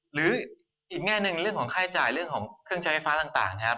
หรืออีกแง่หนึ่งเรื่องของค่าจ่ายเรื่องของเครื่องใช้ไฟฟ้าต่างนะครับ